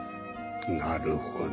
なるほど。